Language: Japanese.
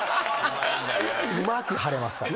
うまく腫れますから。